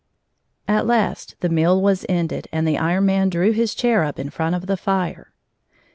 H3 At last the meal was ended, and the Iron Man drew his chair up in front of the fire.